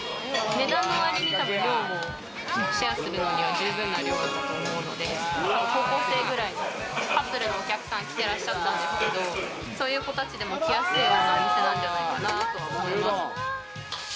値段のわりに量も、シェアするのには十分な量だと思うので高校生くらいのカップルのお客さんが来てらっしゃったんですけど、そういう子たちでも来やすいお店なんじゃないかなと思います。